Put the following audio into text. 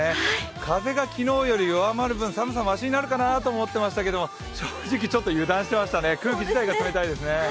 風が昨日より弱まる分、寒さましになるかなと思っていましたけど、正直ちょっと油断していましたね、空気自体が寒いですね。